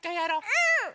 うん！